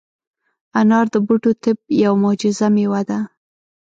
انار د بوټو طب یوه معجزه مېوه ده.